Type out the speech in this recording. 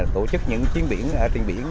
tổ chức những chiến biển trên biển